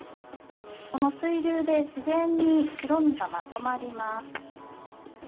この水流で自然に白身がまとまります。